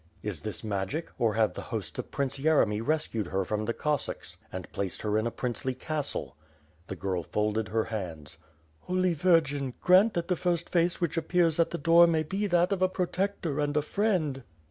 "Is this magic? Or have the hosts of Prince Yeremy rescued her from the Oossacks and placed her in a princely castle?" The girl folded her hands. "Holy Virgin, grant that the first face which appears at the door may be that of a protector and a friend."